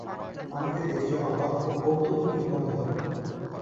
আমাকে দেখে অবাক ও কৌতূহলী মনে হলো।